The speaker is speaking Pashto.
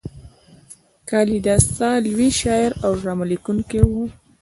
کالیداسا لوی شاعر او ډرامه لیکونکی و.